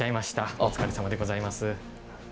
お疲れさまでございます。